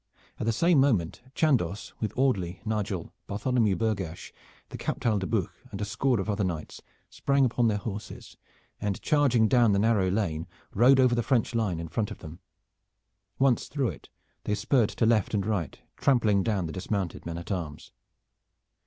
At the same moment Chandos, with Audley, Nigel, Bartholomew Burghersh, the Captal de Buch, and a score of other knights sprang upon their horses, and charging down the narrow lane rode over the French line in front of them. Once through it they spurred to left and right, trampling down the dismounted men at arms.